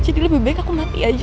jadi lebih baik aku mati aja